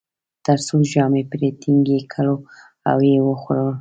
تر څو ژامې پرې ټینګې کړو او و یې خورو.